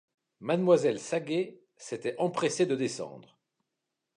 Mademoiselle Saget s’était empressée de descendre.